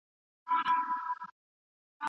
د کلتور د څېړنې لپاره مطالعې ته اړتیا ده.